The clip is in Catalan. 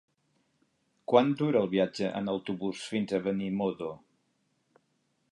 Quant dura el viatge en autobús fins a Benimodo?